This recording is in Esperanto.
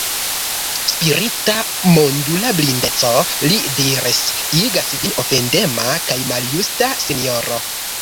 Spirita, mondula blindeco, li diris, igas vin ofendema kaj maljusta, sinjoro.